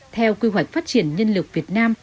theo quy hoạch phát triển nhân lực việt nam